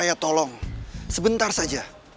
rai tolong sebentar saja